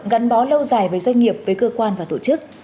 gắn bó lâu dài với doanh nghiệp với cơ quan và tổ chức